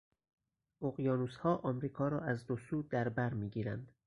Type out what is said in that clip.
اقیانوسها امریکا را از دو سو در برمیگیرند.